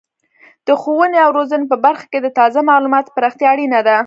د ښوونې او روزنې په برخه کې د تازه معلوماتو پراختیا اړینه ده.